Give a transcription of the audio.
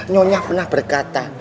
nyonya pernah berkata